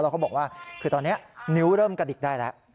เขาบอกว่าคือตอนนี้นิ้วเริ่มกระดิกได้แล้ว